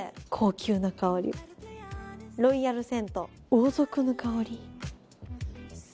王族の香り。